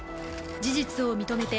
事実を認めて